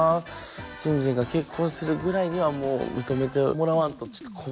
じんじんが結婚するぐらいにはもう認めてもらわんとちょっと困る。